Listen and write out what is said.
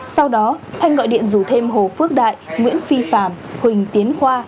sau đó thanh gọi điện rủ thêm hồ phước đại nguyễn phi phạm huỳnh tiến khoa